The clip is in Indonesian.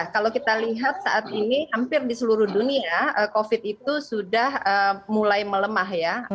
kalau kita lihat saat ini hampir di seluruh dunia covid itu sudah mulai melemah ya